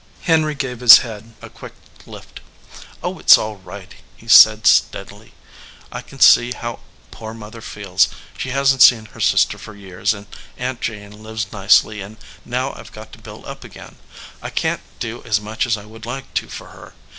Henry gave his head a quick lift. "Oh, it s all right," he said, steadily. "I can see how poor Mother feels. She hasn t seen her sister for years, and Aunt Jane lives nicely, and, now I ve got to build up again, I can t do as much as I would like to for her.